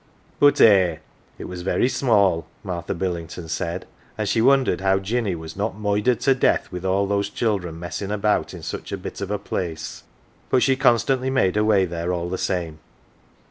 But eh ! it was very small, Martha Billington said, and she wondered how Jinny was not moidered to death with all those children messing about in such a bit of a place ; but she constantly made her way there all the same.